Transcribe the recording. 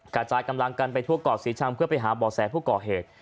ทั่วเกาะศรีชังเพื่อไปหาบ่อแสผู้ก่อเหตุ